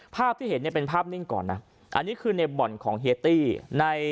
ภาพที่เห็นเนี่ยเป็นภาพนิ่งก่อนนะอันนี้คือในบ่อนของเฮียตี้ใน